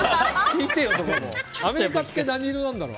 アメリカって何色なんだろう？